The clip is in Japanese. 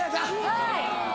はい。